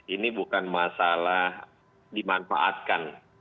ini bukan masalah dimanfaatkan